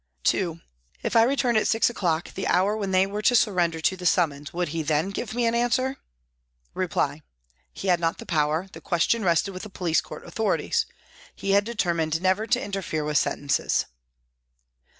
(2) If I returned at six o'clock, the hour when they were to surrender to the summons, would he then give me an answer ? Reply : He had not the power, the question rested with the police court authorities ; he had deter mined never to interfere with sentences.